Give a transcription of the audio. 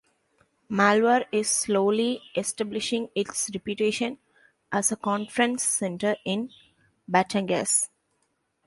Malvar is slowly establishing its reputation as a conference center in Batangas.